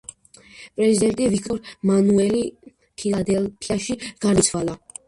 პრეზიდენტი ვიქტორ მანუელი ფილადელფიაში გარდაიცვალა.